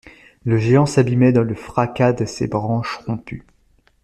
Le géant s'abîmait dans le fracas de ses branches rompues.